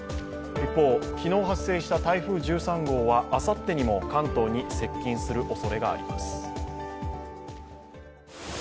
一方、昨日発生した台風１３号はあさってにも関東に接近するおそれがあります